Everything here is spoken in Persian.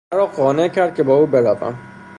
مرا قانع کرد که با او بروم.